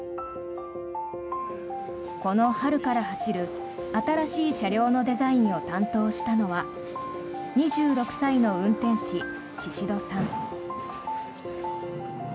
この春から走る新しい車両のデザインを担当したのは２６歳の運転士、宍戸さん。